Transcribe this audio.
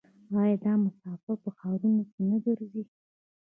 آیا دا مسافر په ښارونو کې نه ګرځي؟